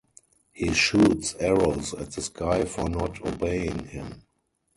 He shoots arrows at the sky for not obeying him.